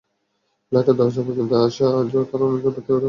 ফ্ল্যাটের দরজা পর্যন্ত এসে আজও তাঁর অনুরোধে ভেতরে বসতে বাধ্য হয়।